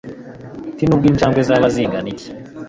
Ati Nubwo injangwe zaba zingana iki